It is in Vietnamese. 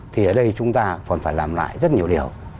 thì ở đây chúng ta còn phải làm lại rất nhiều điều